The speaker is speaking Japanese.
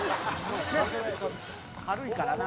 「軽いからな」